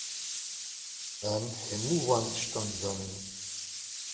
Em hemû van tiştan dizanin.